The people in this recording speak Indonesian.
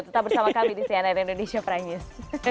tetap bersama kami di cnn indonesia prime news